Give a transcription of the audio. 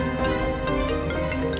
jika ada kesalahan